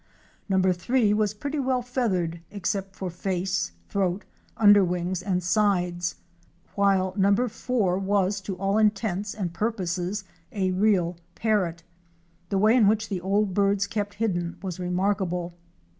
Number three was pretty well feathered except for face, throat, under wings and sides, while number four was to'all intents and purposes a real Parrot! The way in which the old birds kept hidden was remarkable.